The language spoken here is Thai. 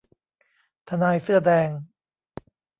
ทนายเสื้อแดง